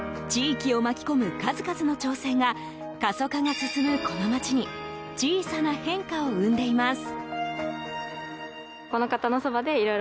地域を巻き込む数々の挑戦が過疎化が進むこの町に小さな変化を生んでいます。